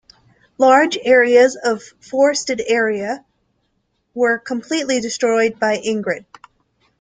Large areas of forested area were completely destroyed by Ingrid.